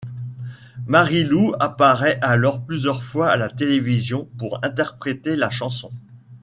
Marilou apparait alors plusieurs fois à la télévision pour interpréter la chanson.